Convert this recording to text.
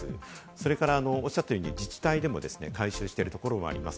それからおっしゃったように、自治体でも回収しているところがあります。